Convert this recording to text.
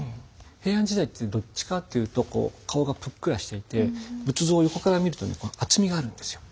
平安時代ってどっちかって言うとこう顔がぷっくらしていて仏像を横から見ると厚みがあるんですよ。